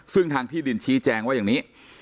ซึ่งทางที่ดินชี้แจงว่าอย่างนี้